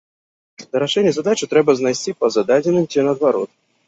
Для рашэння задачы трэба знайсці па зададзеным ці наадварот.